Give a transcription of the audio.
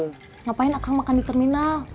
ngapain akan makan di terminal